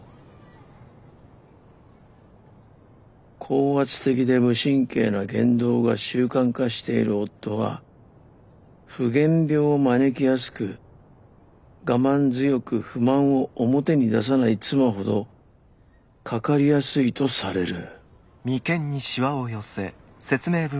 「高圧的で無神経な言動が習慣化している夫は『夫源病』を招きやすく我慢強く不満を表に出さない妻ほどかかりやすいとされる」